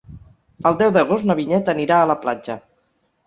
El deu d'agost na Vinyet anirà a la platja.